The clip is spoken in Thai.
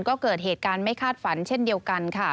ก็เกิดเหตุการณ์ไม่คาดฝันเช่นเดียวกันค่ะ